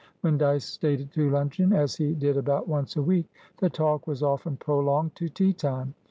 When Dyce stayed to luncheon, as he did about once a week, the talk was often prolonged to tea time.